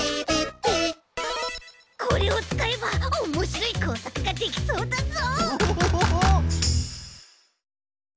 これをつかえばおもしろいこうさくができそうだぞ！